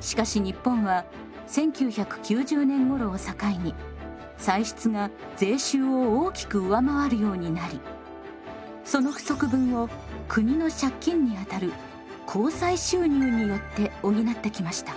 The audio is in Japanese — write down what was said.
しかし日本は１９９０年ごろを境に歳出が税収を大きく上回るようになりその不足分を国の借金にあたる公債収入によって補ってきました。